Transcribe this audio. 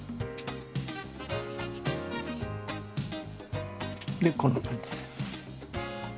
でこんな感じで。